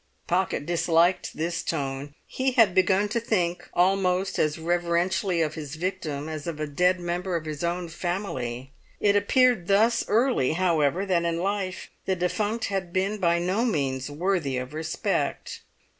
Pocket disliked this tone; he had begun to think almost as reverentially of his victim as of a dead member of his own family. It appeared thus early, however, that in life the defunct had been by no means worthy of respect.